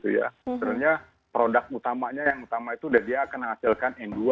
sebenarnya produk utamanya yang utama itu dia akan menghasilkan n dua